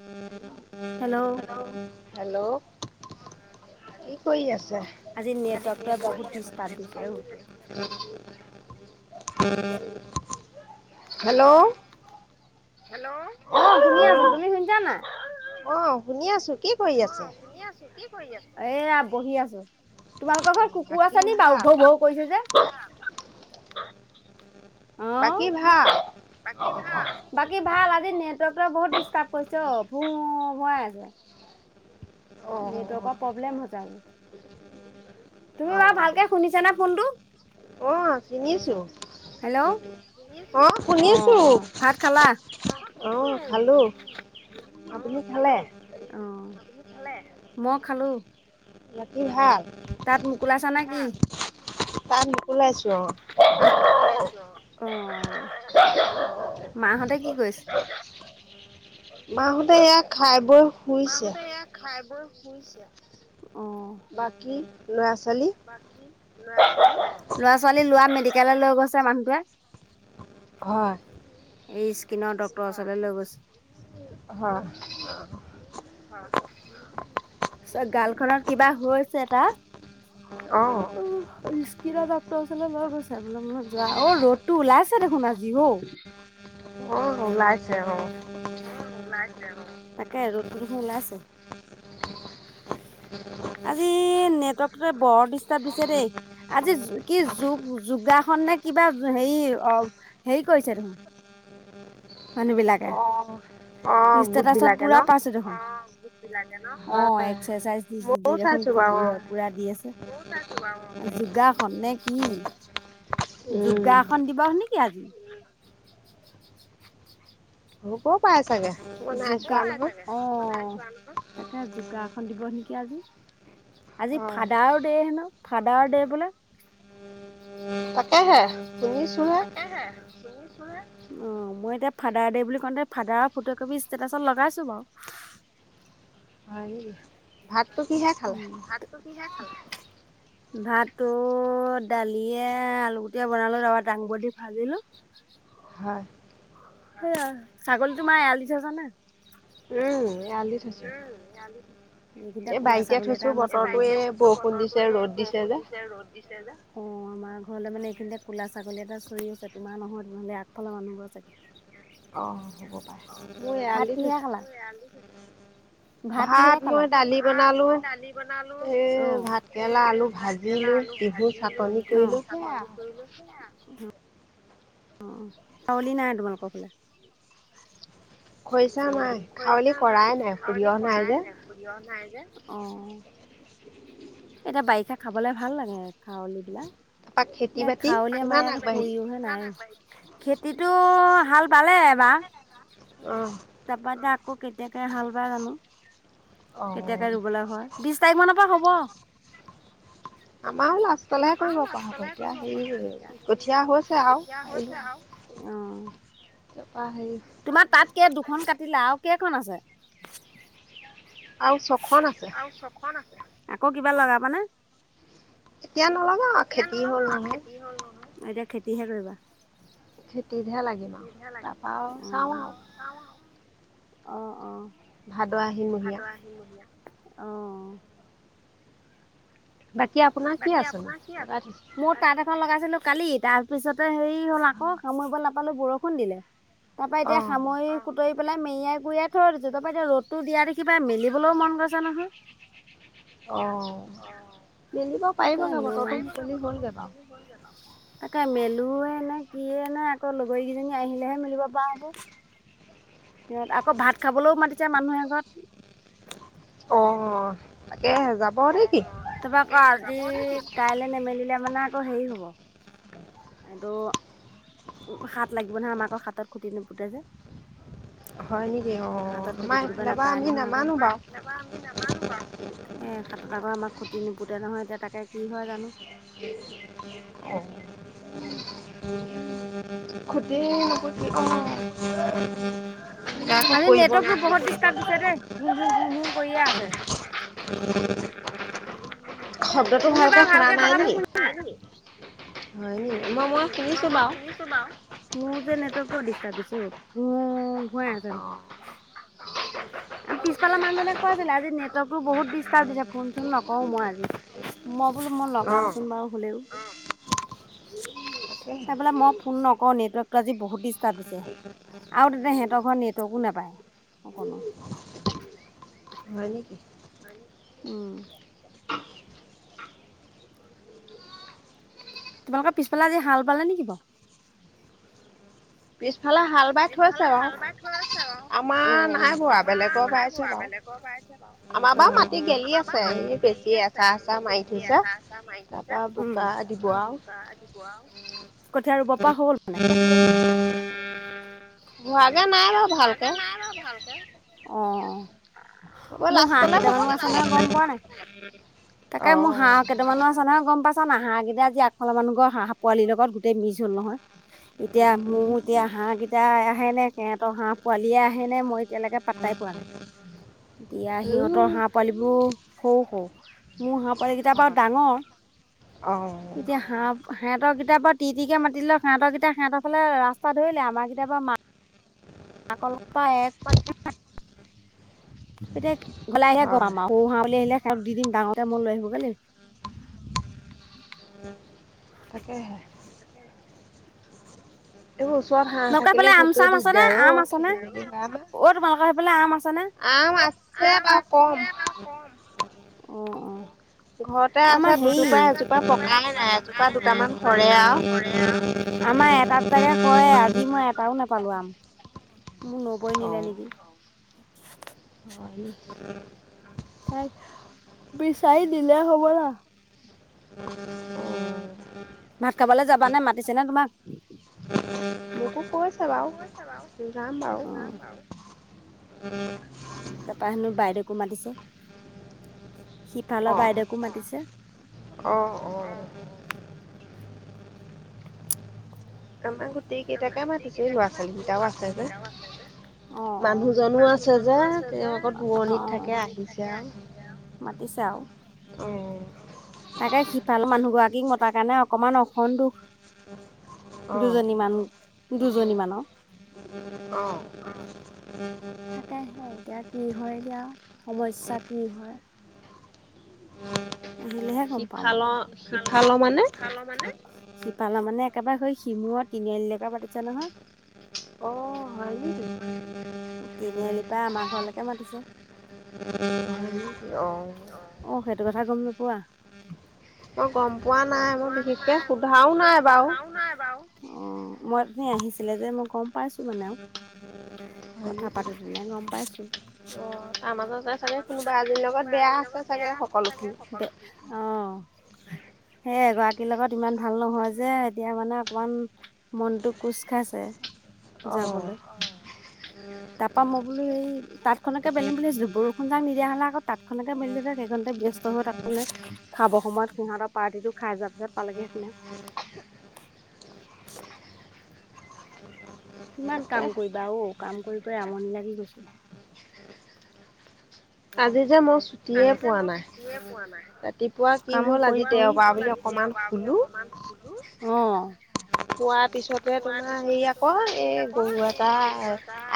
উম hello'- কি কৰি আছে? আজি আজি নেটৱৰ্কটোৱে বহুত ডিষ্টাৰ্ব দিছে [unintelligible] হেল্ল'- হেল্ল'। অ' শুনি আছোঁ, তুমি শুনিছানে নাই? অ শুনি আছো কি কৰি আছে? অ' হুনি আছোঁ, কি কি কৰি আছে? এয়া বহি আছোঁ। তোমালোকৰ অ ঘৰত কুকুৰ বাকী আছে নি বাও? ভাল? ভৌ ভৌ কৰিছে যে! হা বাকী অ'। ভাল বাকী ভাল? বাকী ভাল। আজি নেটৱৰ্কটোয়ে বহুত ডিষ্টাপ কৰিছে অ'। ভো শুঁৱাই আছে। অ নেটৱৰ্কৰ পব্লেম হৈছে আজি। তুমি বাৰু অ'। ভালকে শুনিছা নে অঁ ফোনটো চিনিছ [unintelligible] হেল্ল', শুনিছোঁ। শুনিছো অঁ-অঁ, ভাত খালা? অ শুইছোঁ। অঁ, আপুনি খালে? খালোঁ। অঁ, আপুনি খালে? ম খালোঁ। য়তি ভাল? তাঁত মোকোলাইছানে কি? তাত ওলাইছো অ তাঁত মোকোলাইছোঁ অঁ। অ', মাহতে কি কৰিছে? মাহঁতে এয়া খাই বৈ শুইছে। মাহতে এয়া খা খাই বৈ শুইছে। লৰাছ বাকি, ল'ৰা- ছোৱালী? ল'ৰা- ছোৱালী লোৱা আমি দে কেলে লৈ গৈছে মানুহটোৱে। হয়। এই স্কিনৰ ডক্তৰ ওচৰলৈ লৈ গৈছ হ। হ, ছ গালখনত কিবা হৈছে এটা। অ, ইস্কিন ডক্তৰ ওচৰলৈ লৈ গৈছে, [unintelligible] যোৱা, অ ৰ'দটো ওলাইছে দেখোন আজি অ। অ ওলাইছে অ অ, ওলাইছে অ, তাকে ৰ'দটো দেখো ওলাইছে। আজি নেটৱৰ্ক ৱে বৰ দিচ তাব দিছে দেই, আজি যো কি যোগ যোগাস খননে কিবা হেৰি অ হেৰি কৰিছে দেখোন। মানুহ বিলাকে। অ', অ', গোট ষ্টেটাছত বিলাকে ন? পুৰা পাইছো দেখোন। অ, গোট বিলাকে ন, অ এক হয়। এক্সাৰচাইজ দি ময়ো দি দেখোন চাইছো বাৰু ফটো অ'। পুৰা দি আছে। যোগাসন নে কি? উম, যোগাসন দিবস নে কি আজি? গ্ৰুপত। যোগা অ, তাকে যোগাসন দিবস নেকি আজি। আজি হয়, ফাদাৰ দে হেনো? ফাদাৰ দে বোলে? তাকেহে, শুনিছোহে। উম, মই এতিয়া ফাদাৰ দে বুলি কওঁতে ফাদাৰক ফটো একপি ষ্টেটাচত লগাইছো বাৰু। হয় [unintelligible] কিহে খালে? উম সাত ক কি হ [unintelligible] ভাতটো দালিয়ে আলুগুটিয়ে বনালোঁ তাৰপৰা দাংবদি ভাজিলোঁ। হয়। হেৰা ছাগলী তো মানে এৰাল দি থৈছানে? উম-আলিত- উম-এই কলা বাৰীতে ছাগলী থৈছো এটা আমাৰ- বতৰটো এ-বান্ধি এই থৈছো বৰষুণ বতৰটো দিছে ৰ'দ বৰষুণ যে। দিছে, ৰ'দ দিছে যে। অ- আমাৰ ঘৰলৈ মানে এইখিনিতে ক'লা ছাগলী এটা চৰি আছে, তোমাৰ নহয় তেনেহলে আগফালৰ মানুহঘৰৰ ছাগে। অ', হ'ব পাৰে। মোৰ এৰাল তাত দি থৈছো, কিহে খালা? ভাত কিহে মই খালা? দালি ভাত বনালো। মই দালি বনালো, এ ভাত কেৰেলা আলু ভাত কেৰেলা ভাজিলো, আলু তিহু ভাজিলো, চাটনি কৰিলো সেয়া চাটনি আৰু। কৰিলো সেয়া। উম [unintelligible] নাই তোমালোকৰ ফালে? খৰিছা নাই, খাৰলি কৰাই নাই সৰিয়হ নাই যে অ', এতিয়া বাৰিষা খাবলে ভাল লাগে খাৰলি বিলাক। তাৰপা খেতি বাতি কিমান আগবাঢ়িছে [unintelligible] খেতিটো হাল বালে এবাৰ তা, পা‌টা আকৌ কেতিয়াকে হাল বাই জানো কেতিয়াকে অ'। ৰুবলৈ হয়, বিচ তাৰিখ মানৰ পৰা হ'ব। আমাৰো লাষ্টলেহে কৰিব পৰা হ'ব, এতিয়া হেৰি কঠীয়া হৈছে আৰু পাৰিব আৰু [unintelligible] তোমাৰ তাত দুখন কাটিলা আৰু কেইখন আছে? আৰু ছখন আছে। আকৌ কিবা লগাব নে? এতিয়া নলগাও খেতি হ'ল নহয়। এতিয়া খেতিহে কৰিবা। খেতিতহে লাগিম আৰু তাৰাপা আৰু চাওঁ অ', আৰু অ', অ'। ভাদ, আহিন মহীয়া অ' বাকী আপোনাৰ কি বাকী আছেনো আপোনাৰ কি লগাই আছেনো? থৈছে মোৰ তাঁত এখন লগাই কালি তাৰ পিছতে হেৰি হ'ল, আকৌ সামৰিব নাপালো বৰষুণ দিলে। তাৰ পৰা এতিয়া অ'। সামৰি সুটৰি পেলাই মেৰিয়াই গুৰিয়াই থৈ দিছো তাপা এতিয়া ৰ'দতটো দিয়া দেখি পাই মেলিবলৈও মন গৈছে নহয়। অ', মেলিব তাকে পাৰিবগৈ বতৰটো মুকলি [unintelligible] হ'লগৈ বাৰু। তাকে মেলো নে কিয়ে নে আকৌ লগৰীকেইজনী আহিলেহে মেলিব পৰা হ'ব, সিহঁত আকৌ ভাত খাবলৈও মাতিছে মানুহে এঘৰত অ' যাব অ', নেকি [unintelligible] আজি কাইলৈ নেমেলিলে মানে আকৌ হেৰি হ'ব এইটো সাত লাগিব নহয়, আমাৰ আকৌ সাতত খুটি নুপুতে যে হয় নেকি অ', সাতত খুটি আমাৰ ফুটিব এইফালে বাৰু নাপায় আমি নহয় আকৌ নামানো বাৰু। আমি নামানো বাৰু আকৌ আমাক খুতি নুপুতে নহয়, এতিয়া তাকে কি হয়, জানো অ', খুতেই নকৰি অ একো আজি কৰিব নেটৱৰ্ক নোৱাৰি বহুত ডিষ্টাৰ্ব দিছে দেই ধুম, ধুম, ঘুম, ধুম কৰিয়ে আছে। [unintelligible] শব্দটো তুমি বাৰু শুনা ভালকে নাই কথাবোৰ নি শুনিছা নাই হয় নি মই মই শুনিছো বাৰু নেটৱৰ্ক টো ডিষ্টাৰ্ব দিছে অ হু--অ হৈ আছে দেখোন পিছফালে মানুহ জনে কৈ আছিলে আজি নেটৱৰ্কতো বহুত দিচ- ডিষ্টাৰ্ব দিছে ফোন চোন নকৰো মই আজি মই বোলো মই অ লগাওচোন বাৰু হ'লেও তাকেহে তাৰ বোলে মই ফোন নকৰো নেটৱৰ্কটো আজি বহুত ডিষ্টাৰ্ব দিছে আৰু তেনে সেত ঘৰত নেটৱৰ্কো নাপায় অকণো হয় নেকি উম তোমালোকৰ পিছফালে আজি হাল বালে নেকি বাও পিছ- অ আমাৰ অ নাই বোৱা উম বেলেগৰ বাইছে বাৰু আমাৰ বাৰু মাটি গেলি আছে এই বেছি এচাহ এচাহ মাৰি থৈছে তাৰপৰা বোকা দিব আৰু কঠিয়া ৰুব পৰা হ'ল মানে [unintelligible] হোৱাগে নাই বাৰু হোৱাগে ভালকে নাই বাৰু ভালকে অ হ'ব মোৰ হাঁহ লাষ্টলে কেইটামানো হ'বগে আছে নহয় চাগে গম পোৱা নাই তাকে অ মোৰ হাঁহ কেইটামানো আছে নহয় গম পাছ চানা হাহ কেইটা আজি আগফালৰ মানুহ ঘৰ হাহ পোৱালিৰ লগত গোটেই মিছ হ'ল নহয় এতিয়া মোৰ এতিয়া হাঁহকেইটা আহেনে ত হাঁহ পোৱালিয়ে আহে নে মই এতিয়ালৈকে পাত্তাই পোৱা নাই দিয়া সিহঁতৰ হাপ- হাঁহ পোৱালিবোৰ সৰু সৰু মোৰ হাঁহ পোৱালি কেইটাৰ বাৰু হয় ডাঙৰ অ এতিয়া হাঁহ সিহঁতৰ কেইটা বা তি তিকে মাতি দিলেও সিহঁতৰ কেইটা সিহঁতৰ ফালে ৰাস্তা ধৰিলে আমাৰ কেইটাৰ বাও মা- [unintelligible] এতিয়া ঘলে হে হয় ঘুআম আও পৰু হাহ পোৱালি আহিলে সেতক দি দিম ডাঙৰ তা মই লৈ আহিবগে লাগিব তাকেহে তাকেহে এই ওচৰত হাঁহ থাকিলে সেইফালে আম সেইটোৱে চাম আছে নে দিগদাৰ আম অ আছে নে খেলি মেলি অ তোমালোকৰ সেইফালে আম আছে নে বাম আম আছে বাৰু কম অ অ ঘৰতে আমাৰ আছে হেৰি দুজোপা এজোপা পকাই নাই এজোপা দুটামান সৰে আৰু তাকে কয় আজি মই এটাও নাপালো আম মোৰ নবৈ নিলে অ', নেকি তাই বিচাই দিলে হ'ব না ভাত খাবলে যাবা নে মাতিছে ন তোমাক মোকো কৈছে বাৰু যাম বাও অ উম তাপাহেনো বাইদেউকো মাতিছে অ সিফালৰ বাইদেকো মাতিছে অ অ', আমাৰ গোটেই [inaudible] আমাৰ কেইটাকে গোটেই মাতিছে ল'ৰা কেইটাকে ছোৱালী মাতিছে কেইটাও ল'ৰা আছে ছোৱালী যে। কেইটাও আছে যে। অ অ মানুহজনো আছে যে মানুহজনো আছে তেওঁ যে আকৌ দূৰণিত থাকে আহিছে আৰু। [unintelligible] তেতি চাওঁ অ তাকে সিফালো মানুহগৰাকীক মতাৰ কাৰণে অকমান অসন্তোখ অ দুজনী মান দুজনী মানৰ অ', থাকেহে এতিয়া কি হয় এতিয়া সমস্যা কি হয় আহিলে হ গম পাম আও সিফালৰ পিঠাল সিফালৰ মানে পিথল মানে পালা মানে একেবাৰে স শিমুৰ তিনিআলিৈ পৰা পাতিছে নহয় অ হয় নেকি তিনিআলিৰ পৰা আমাৰ ঘৰলৈকে মাতিছে হয় নেকি? অ। অ সেইটো কথা কথা গম নোাপোৱা মই গম পোৱা নাই মই বিশেষকে সোধাও নাই বাৰু অ মই আপুনি আহিছিলে যে মই গম পাইছো মানে আৰু হয় কথা পাতোনে গম পাইছো ত মাজত চাগে আমাৰ কোনোবা আজিৰ লগত বেয়া আছে চাগে সকলো ালে হব অ সেই এগৰাকীৰ লগত ইমান ভাল নহয় যে এতিয়া মানে অকমান মনটো খোচ খাইছে আহ তাৰাপা মই বোলো সেই তাঁখনকেলি বুলি ভাবছো বষুণ যাক নি তেতিহ'লে আকৌ তাতখনকে মিল তকেই ঘ ব্যস্ত ে খাব সময়ত সিহঁতৰ পাৰ্টিটো খাই যোৱাৰ পিছত পালেগে সেইদিনা কিমান তাকে কাম কৰিবা অঔ কাম কৰি কৰি আমৰনি লাগি গৈছে আজি যে মই ছুটিয়ে আজি যে পোৱা মই নাই। ছুটিয়ে পোৱা নাই ৰাতিপুৱা কি কামো হ'ল কৰি আজি কৰি দেওবাৰ গল বুলি আজি অকমান দেওবাৰ বুলি অকমান সুধো অ খোৱাৰ পিছতে তোমাৰ হেৰি আকৌ এই গৰু এটা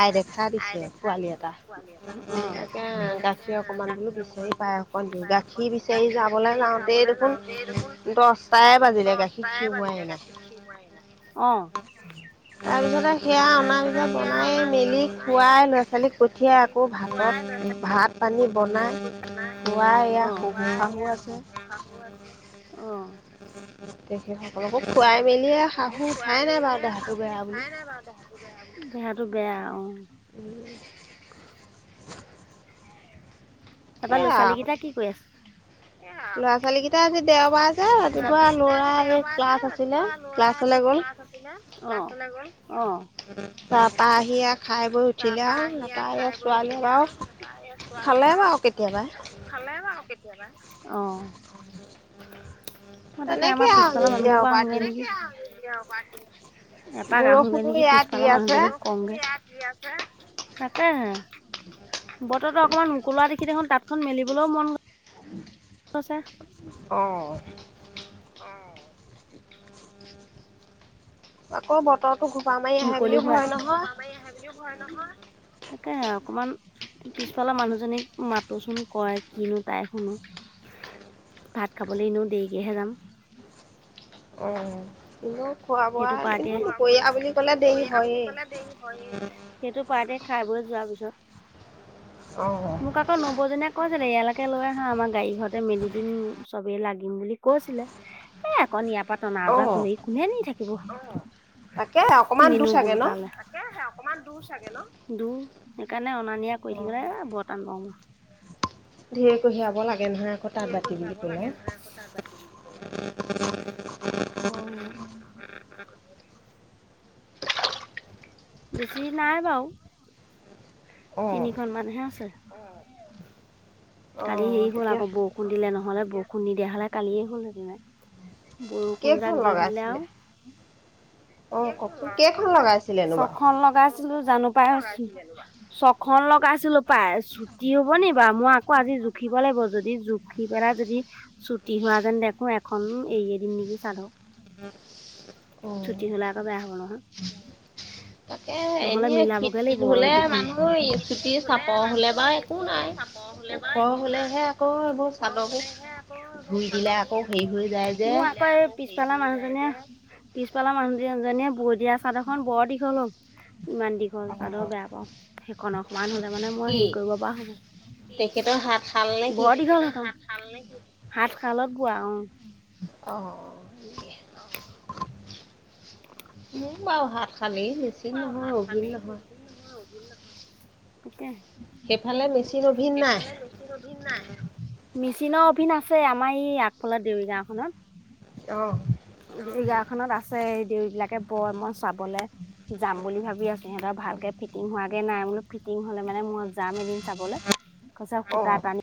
আই দেখা দিছে পোৱালি এটা তে গাখীৰ অকমান বুলি গাখ অকমান বোলো বিচাৰি পায় অক দি গাখীৰ যাবলৈ বিচাৰি যাওঁতেই যাবলৈ দেখোন যাওঁতে দেখোন দহটাই বাজিলে গাখীৰ দছটাই খিৰোৱাই বাজিলে নাই। গাখীৰ খিওাইিলা অঁ তাৰ পিছতে সেয়া অনা পিছা বনাই মেলি খুৱাই ল'ৰা ছোৱালীক পঠিয়াই আকৌ ভাতত ভাত পানী বনাই ক নাই খুৱাই এয়া অ শহু শাহু এ শাহু আছে অ অ অ অ তে উ তেকল খুৱাই নাই বাৰু মেলিয়ে দেহাটো শাহু বেয়া বুলি উঠাই নাই বাৰু দেহাতটো বেয়া বুলি দেহ বেয়া অ উম তাৰপা সেয়া ল'ৰা- ছোৱালী আৰু কেইটা কি কৰি আছে? এবাৰ' ল'ৰা ছোৱালীকেইটা আজি দেওবাৰ যে ল'ৰা ৰাতিপুৱা ছোৱালী কেইটা ল'ৰা আজি এই দেওবাৰ আছে ক্লাছ আছিলে ৰাতিপুৱা লৰাৰ আজি ক্লাছলৈ গ'ল ক্লাছ আদি ক্লাছলে ক্লাছলে গল । তাৰপৰা আহি খাই বৈ উঠিলে আৰু নাপা ছোৱালীয়ে বাৰু খালে বাৰু কেতি, খালে বাৰো, কেতিয়াবা অহ, মই তাকে তেনেকে আমাৰ পিছ আৰু আজি ফালৰ মানুহ ঘৰ পৰা দেওবাৰ আহোঁগৈ গে দিনটো নেকি। মাটি, এপাক আহোগে বৰষুণো নেকি ইয়াত দি পিছফালৰ আছে মানুহজনীক কমগে, কি আছে তাকে বতৰটো অকমান মুকুলৱা দেখি দেখোন তাঁতখন মেলিবলৈও মন গ', [unintelligible] অহ, ' আকৌ বতৰ মুকলি হোৱা, তে 'অকমান পিছফালৰ মানুহজনীক মাতোচোন কয় কিনো তাই শুনো ভাত খাবলৈ এনেও দেৰিকেহে যাম। অহ, এনেও খোৱা -বোৱা সেইটো এ। পাৰ্টিয়ে নেও দুপৰীয়া- আবেলি কলে দেৰি হয়েই। সেইটো পাৰ্টিয়ে খাই- বই যোৱাৰ পিছত। অ'। মোক আকৌ নবজনিয়ে কৈছিলে ইয়ালৈকে, ' লৈ আহা আমাৰ গাড়ী ঘৰতে মেলি দিম চবেই লাগিম বুলি কৈছিলে, এ' আক ইয়, পাত নাযোৱা অ', কোনে, কোনে নি থাকিব। অহ, তাকে অকমান দূৰ নিনো চাগে বোলো ন? তালে, তাকেহে অকমান। চাগে ন '? দুৰ হেই, মানে অনা- নিয়া কৰি থাকিবলে এ' বৰ টান পাওঁ মই। ঢেৰ কঢ়িয়াব লাগে। নহয় তাঁত তোৰ আকৌ বাতি বুলি যাব লা ক'লে। লগে না আকৌ তাত বাতি বুলি কলে ।অহ, [unintelligible] বেছি নাই বাও অ'। তিনিখনমানহে আছে। কালি অ', হেৰি হ'ল আক তেতিয়া বৰষুণ দিলে নহয়। নহ'লে বৰষুণ নিদিয়া হলে কালিয়ে হ'লহেঁতেননে। বৰষুণ যাক কেইখন দি দিলে লগাইছিলে? আৰু অ', কওকচোন কেইখন লগাইছিলেনো ছয় বাৰু? খন লগাইছিলো জানো, পাই আছোঁ ছখন লগাইছিলো পাই ছুটি হ'ব নি' বাৰু মই, আকৌ আজি জুখিব লাগিব, যদি জুখি পেলাই যদি চুটি হোৱা যেন দেখো এখন এৰিয়ে দিম নেকি চাদৰ। ছুটি হলে আকৌ বেয়া হব নহয়। তাকে নহলে এনেই মিলাবগে ক্ষীণ লাগিব হ'লে দুখন মানুহ চুটি হলে চাপৰ মানহু বাৰু একো নাই। চাপৰ হলে ব ওখ একো নাই হ'লেহে আকৌ এইবোৰ ওখ চাদৰবোৰ হলেহে আকৌ ধুই দিলে আকৌ হেৰি হৈ যায় এইবোৰ যে। মোৰ আকৌ এই পিছফালা মানুহজনীয়ে। [unintelligible] পিছ পালৰ মানুহ দুজনীয়ে ব দিয়া চাদ এখন বৰ দীঘল হল ইমান দীঘল চাদৰ অ'। বেয়া পাওঁ সেইখন অকমান হ। তোৰ মানে মই কি হেৰি কৰিব পৰা হ'ব তেখেতৰ হাত শাল নে কি? বৰ দীঘল সেইখন। হাত খালত বোৱা অহ। অহ অ। অহ। অ। মোৰ বাও হাত। শালেই মোৰ মেচিন বা নহয় হাত অভিন খালে নহয়। নেকি নহয় উব নহয়। তিতে। সেইফালে মেচিন অভিন্ নাই। মেচিনৰ অভিন আছে আমাৰ এই আগফালৰ দেউৰী গাওখনত। অহ। গাখননত আছে এই দেউৰীবলাকে বৰ মই চাবলে। যাম বুলি ভাবি আছো সিহঁতৰ ভালকে ফিটিং হোৱাকে নাই বোলো ফিটিং হলে মানে মই যাম এদিন চাবল। কছ ফুটাত অ'। আনি।